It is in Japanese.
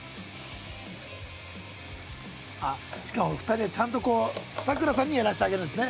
「あっしかも２人はちゃんとさくらさんにやらせてあげるんですね」